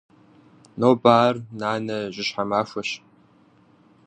Нобэ ар нанэ жьыщхьэ махуэщ.